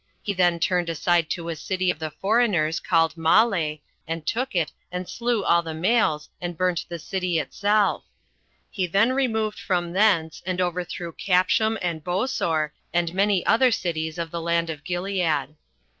He then turned aside to a city of the foreigners called Malle, and took it, and slew all the males, and burnt the city itself. He then removed from thence, and overthrew Casphom and Bosor, and many other cities of the land of Gilead.